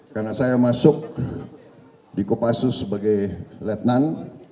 karena saya masuk di kopassus sebagai letnan